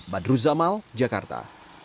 badru zamal jakarta